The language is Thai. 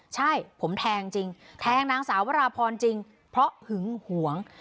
ใช่ผมแทงจริงแทงนางสาววราพรจริงเพราะหึงหวง